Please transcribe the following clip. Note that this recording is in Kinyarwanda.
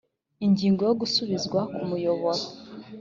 ingingo yo gusubizwa ku muyoboro